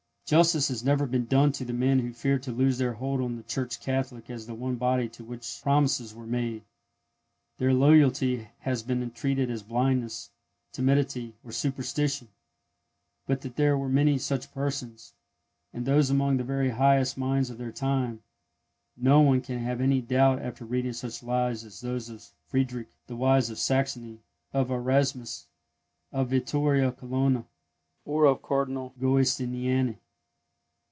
Justice has never been done to the men who feared to loose their hold on the Church Catholic as the one body to which the promises were made. Their loyalty has been treated as blindness, timidity, or superstition; but that there were many such persons, and those among the very highest minds of their time, no one can have any doubt after reading such lives as those of Friedrich the Wise of Saxony, of Erasmus, of Vittoria Colonna, or of Cardinal Giustiniani.